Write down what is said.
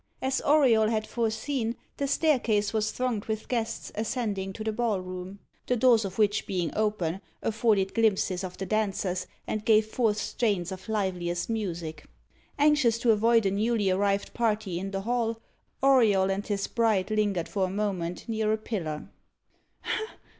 As Auriol had foreseen, the staircase was thronged with guests ascending to the ball room, the doors of which being open, afforded glimpses of the dancers, and gave forth strains of liveliest music. Anxious to avoid a newly arrived party in the hall, Auriol and his bride lingered for a moment near a pillar.